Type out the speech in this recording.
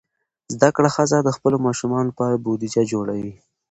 زده کړه ښځه د خپلو ماشومانو لپاره بودیجه جوړوي.